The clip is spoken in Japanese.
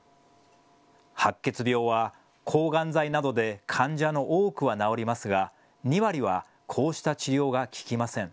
白血病は抗がん剤などで患者の多くは治りますが２割はこうした治療が効きません。